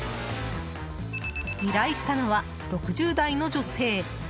依頼したのは６０代の女性。